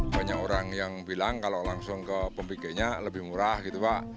banyak orang yang bilang kalau langsung ke pemikirnya lebih murah gitu pak